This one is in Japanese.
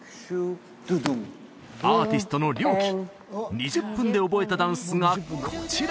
アーティストのＲＹＯＫＩ２０分で覚えたダンスがこちら！